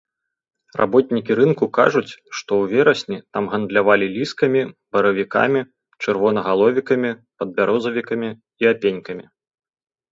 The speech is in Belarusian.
Работнікі рынку кажуць, што ў верасні там гандлявалі ліскамі, баравікамі, чырвонагаловікамі, падбярозавікамі і апенькамі.